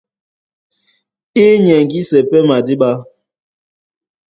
Í nyɛŋgísɛ́ pɛ́ madíɓá.